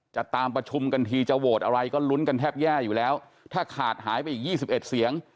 จะตามประชุมกันทีจะโหวตอะไรก็ลุ้นกันแทบแย่อยู่แล้วถ้าขาดหายไปอีก๒๑เสียง